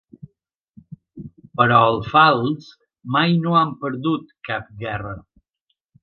Però el fals mai no ha perdut cap guerra.